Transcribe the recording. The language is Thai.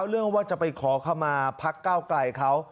เรื่องว่าจะไปขอขมาพักเก้าไกลเขา